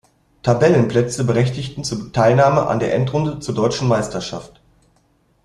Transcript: Tabellenplätze berechtigten zur Teilnahme an der Endrunde zur Deutschen Meisterschaft.